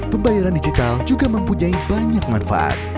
pembayaran digital juga mempunyai banyak manfaat